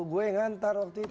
saya mengantar waktu itu